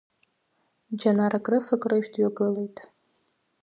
Џьанар акрыфа-акрыжә дҩагылеит.